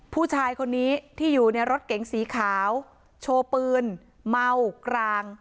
ผู้ชายคนนี้ที่อยู่ในรถเก๋งสีขาวโชว์ปืนเมากราง